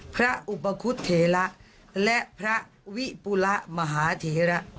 พระอุปคุฎเถระและพระวิปุระมหาเถระ